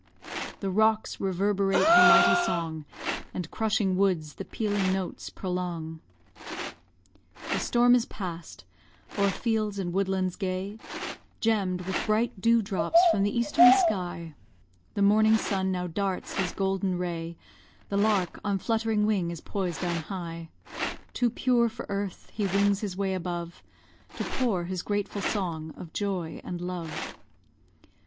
The rocks reverberate her mighty song, And crushing woods the pealing notes prolong. The storm is pass'd; o'er fields and woodlands gay, Gemm'd with bright dew drops from the eastern sky, The morning sun now darts his golden ray, The lark on fluttering wing is poised on high; Too pure for earth, he wings his way above, To pour his grateful song of joy and love.